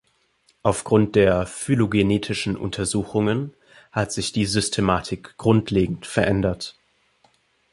Aufgrund der phylogenetischen Untersuchungen hat sich die Systematik grundlegend verändert.